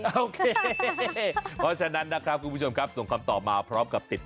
โอเคเพราะฉะนั้นนะครับคุณผู้ชมครับส่งคำตอบมาพร้อมกับติดต่อ